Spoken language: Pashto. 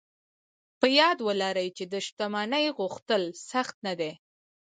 په یاد و لرئ چې د شتمنۍ غوښتل سخت نه دي